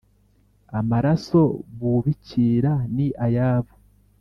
amaraso bubikira ni ayabo,